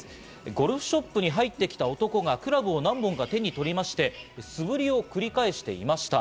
ゴルフショップに入ってきた男がクラブを何本か手にとりまして素振りを繰り返していました。